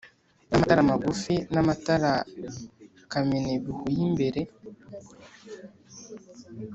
n’amatara magufi n’amatara kamenabihu y’imbere